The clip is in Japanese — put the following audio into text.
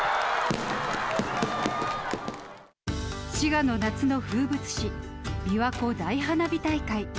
滋賀の夏の風物詩、びわ湖大花火大会。